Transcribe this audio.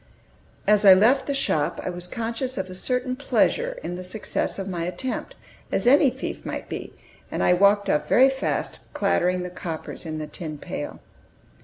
As I left the shop, I was conscious of a certain pleasure in the success of my attempt, as any thief might be; and I walked off very fast, clattering the coppers in the tin pail.